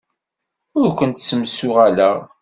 Ur kent-ssemsuɣaleɣ.